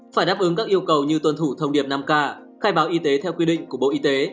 phải đáp ứng các yêu cầu như tuân thủ thông điệp năm k khai báo y tế theo quy định của bộ y tế